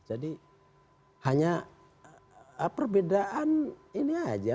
jadi hanya perbedaan ini saja